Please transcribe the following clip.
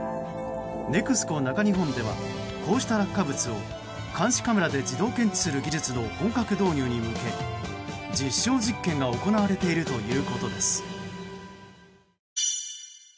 ＮＥＸＣＯ中日本ではこうした落下物を監視カメラで自動検知する技術の本格導入に向け実証実験が行われているということです。